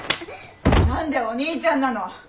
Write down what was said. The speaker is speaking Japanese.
何でお兄ちゃんなの！？